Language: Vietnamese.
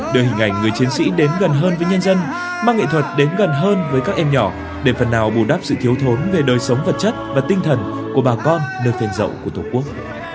đưa hình ảnh người chiến sĩ đến gần hơn với nhân dân mang nghệ thuật đến gần hơn với các em nhỏ để phần nào bù đắp sự thiếu thốn về đời sống vật chất và tinh thần của bà con nơi phiền dậu của tổ quốc